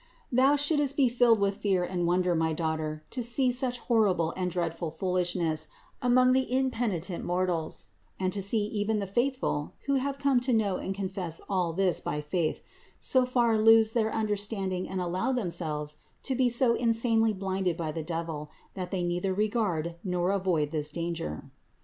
Thou shouldst be rilled with fear and wonder, my daughter, to see such horrible and dread ful foolishness among the impenitent mortals and to see even the faithful, who have come to know and confess THE INCARNATION 267 all this by faith, so far lose their understanding and allow themselves to be so insanely blinded by the devil that they neither regard nor avoid this danger.